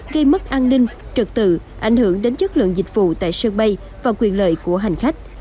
gây mất an ninh trực tự ảnh hưởng đến chất lượng dịch vụ tại sân bay và quyền lợi của hành khách